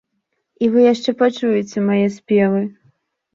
І вы яшчэ пачуеце мае спевы.